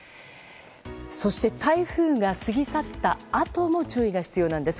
そして台風が過ぎ去ったあとも注意が必要なんです。